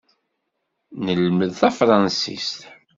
Nelmed tafṛansist.